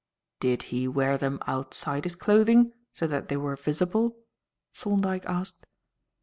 "Did he wear them outside his clothing so that they were visible?" Thorndyke asked.